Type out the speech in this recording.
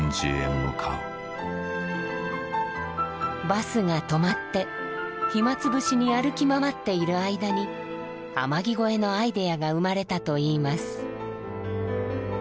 バスが止まって暇つぶしに歩き回っている間に「天城越え」のアイデアが生まれたといいます。